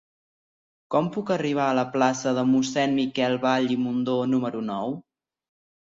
Com puc arribar a la plaça de Mossèn Miquel Vall i Mundó número nou?